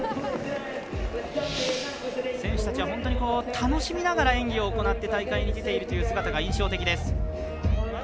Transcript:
選手たちは本当に楽しみながら演技を行って大会に出ているという姿が印象的です。